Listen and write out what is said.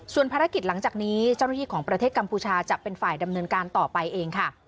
ส่วนภารกิจหลังจากนี้เจ้าหน้าที่ของประเทศกัมพูชาจะเป็นฝ่ายดำเนินการต่อไปเองค่ะ